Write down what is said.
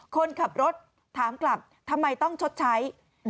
คนขับรถถามกลับทำไมต้องชดใช้